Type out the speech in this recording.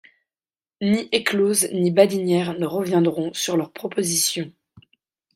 Ni Éclose ni Badinières ne reviendront sur leurs propositions.